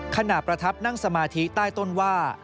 ขณะประทับนั่งสมาธิใต้ต้นว่า